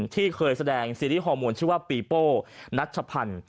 ที่เคยแสดงซีรีส์ฮอร์โมนชื่อว่าปีโป้นัชพันธ์